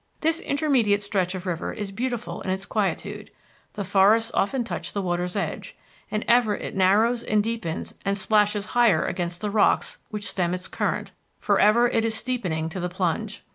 This intermediate stretch of river is beautiful in its quietude. The forests often touch the water's edge. And ever it narrows and deepens and splashes higher against the rocks which stem its current; forever it is steepening to the plunge.